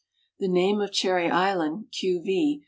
The name of Cherry island (q. v.)